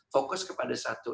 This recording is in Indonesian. fokus kepada satu